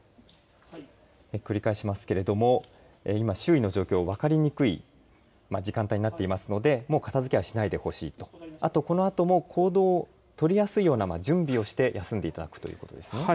繰り返しますけれども今、周囲の状況分かりにくい時間帯になっていますのでもう片付けはしないでほしいとこのあとも行動を取りやすいような準備をして休んでいただくということですね。